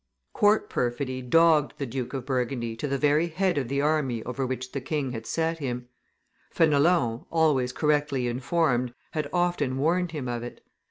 Court perfidy dogged the Duke of Burgundy to the very head of the army over which the king had set him; Fenelon, always correctly informed, had often warned him of it.